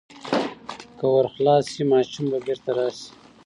که ور خلاص شي، ماشوم به بیرته راشي.